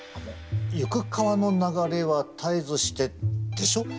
「ゆく河の流れは絶えずして」でしょ？